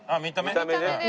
見た目ね。